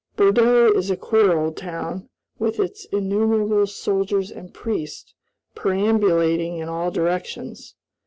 Bordeaux is a queer old town, with its innumerable soldiers and priests perambulating in all directions.